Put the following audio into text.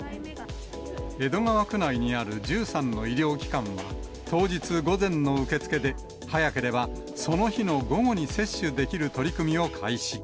江戸川区内にある１３の医療機関は、当日午前の受付で、早ければその日の午後に接種できる取り組みを開始。